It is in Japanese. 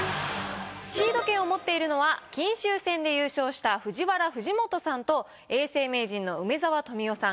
シード権を持っているのは金秋戦で優勝したＦＵＪＩＷＡＲＡ藤本さんと永世名人の梅沢富美男さん